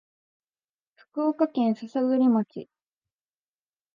福岡県篠栗町